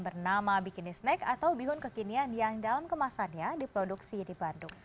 bernama bikini snack atau bihun kekinian yang dalam kemasannya diproduksi di bandung